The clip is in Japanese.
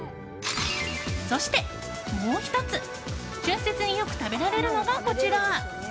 そして、もう１つ春節によく食べられるのがこちら。